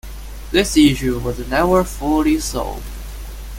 This issue was never fully solved.